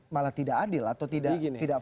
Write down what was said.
malah tidak adil atau tidak